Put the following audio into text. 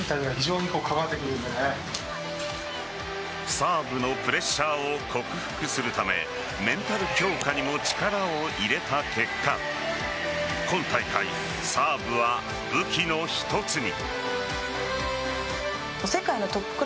サーブのプレッシャーを克服するためメンタル強化にも力を入れた結果今大会、サーブは武器の一つに。